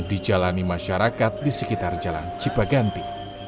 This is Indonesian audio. dijalani masyarakat di sekitar jalan cipaganti